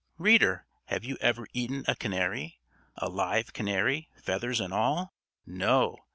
Reader, have you ever eaten a canary? A live canary, feathers and all? No!